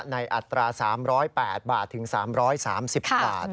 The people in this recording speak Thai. อัตรา๓๐๘บาทถึง๓๓๐บาท